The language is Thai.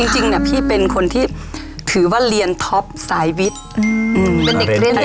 จริงนะพี่เป็นคนที่ถือว่าเรียนท็อปสายวิทย์